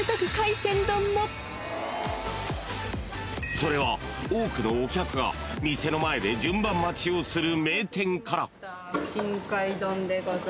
［それは多くのお客が店の前で順番待ちをする名店から］